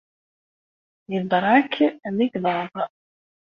Ibṛak d igḍaḍ.